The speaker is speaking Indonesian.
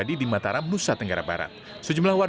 ini karena menyesalkan dari jemaah